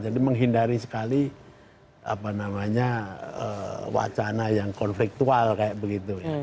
jadi menghindari sekali apa namanya wacana yang konfliktual kayak begitu ya